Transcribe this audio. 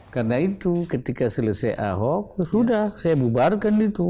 karena itu ketika selesai ahok sudah saya bubarkan itu